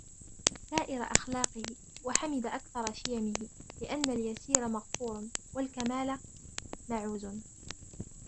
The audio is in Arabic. سَائِرَ أَخْلَاقِهِ ، وَحَمِدَ أَكْثَرَ شِيَمِهِ ؛ لِأَنَّ الْيَسِيرَ مَغْفُورٌ وَالْكَمَالَ مَعُوزٌ